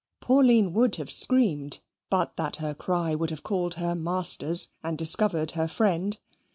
Pauline would have screamed, but that her cry would have called her masters, and discovered her friend.